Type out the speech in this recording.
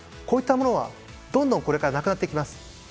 こういったものはどんどんこれからなくなっていきます。